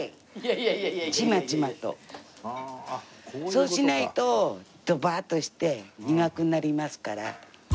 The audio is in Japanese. そうしないとドバーッとして苦くなりますから。